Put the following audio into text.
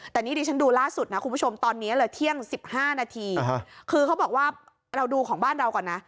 แต่นี่ดิฉันดูล่าสุดนะคุณผู้ชมตอนนี้เลยเที่ยง๑๕นาทีคือเขาบอกว่าเราดูของบ้านเราก่อนนะ